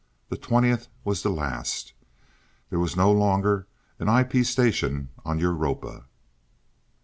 The twentieth was the last. There was no longer an IP station on Europa.